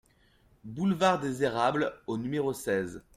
Boulevard des Érables au numéro seize